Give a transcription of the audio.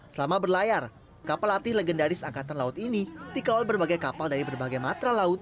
selama berlayar kapal latih legendaris angkatan laut ini dikawal berbagai kapal dari berbagai matra laut